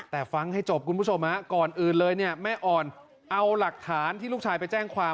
แต่ฟังให้จบคุณผู้ชมก่อนอื่นเลยเนี่ยแม่อ่อนเอาหลักฐานที่ลูกชายไปแจ้งความ